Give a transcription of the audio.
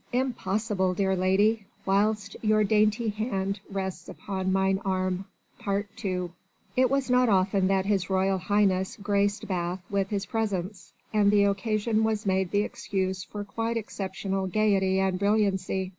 "Impossible, dear lady, whilst your dainty hand rests upon mine arm." II It was not often that His Royal Highness graced Bath with his presence, and the occasion was made the excuse for quite exceptional gaiety and brilliancy.